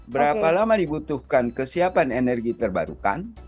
berapa lama dibutuhkan kesiapan energi terbarukan